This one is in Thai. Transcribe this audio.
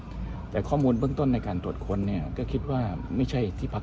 มองว่าเป็นการสกัดท่านหรือเปล่าครับเพราะว่าท่านก็อยู่ในตำแหน่งรองพอด้วยในช่วงนี้นะครับ